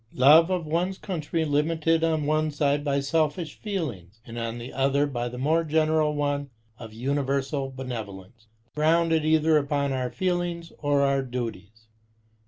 Love of ones country limited on one side by selfish feelings, and on the other by the more general one of universal benevolence; grounded either upon our feelings or our duties.